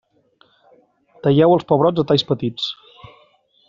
Talleu els pebrots a talls petits.